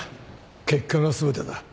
結果が全てだ